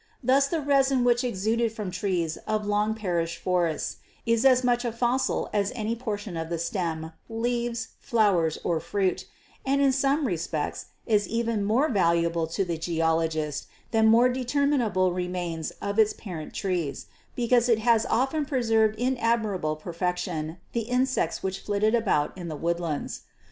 Thus the resin which exuded from trees of long perished forests is as much a fossil as any portion of the stem, leaves, flowers or fruit, and in some respects is even more valuable to the geologist than more determinable remains of its parent trees, because it has often preserved in admirable perfection the insects which flitted about in the woodlands.